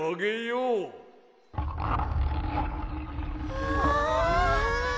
うわ！